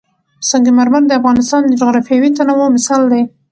سنگ مرمر د افغانستان د جغرافیوي تنوع مثال دی.